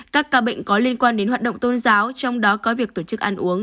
các ca bệnh có liên quan đến hoạt động tôn giáo trong đó có việc tổ chức ăn uống